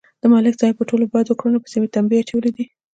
د ملک صاحب په ټولو بدو کړنو پسې مې تمبې اچولې دي